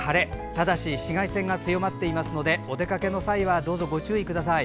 ただし紫外線が強まっていますのでお出かけの際はどうぞご注意ください。